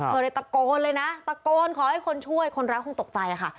เลยตะโกนเลยนะตะโกนขอให้คนช่วยคนร้ายคงตกใจค่ะ